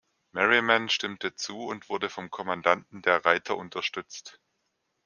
Merriman stimmte zu und wurde vom Kommandanten der Reiter unterstützt.